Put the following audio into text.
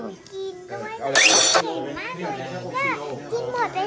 เข้าไปสานทานได้